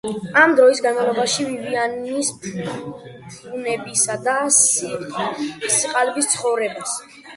ამ დროის განმავლობაში ვივიანი ფუფუნებასა და სიყალბეში ცხოვრობს.